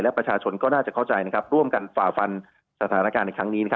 และประชาชนก็น่าจะเข้าใจร่วมกันฝ่าฟันสถานการณ์ในครั้งนี้